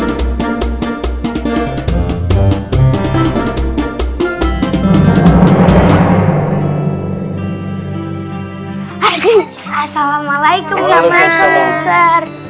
assalamualaikum assalamualaikum mister